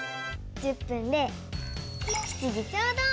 １０分で７時ちょうど！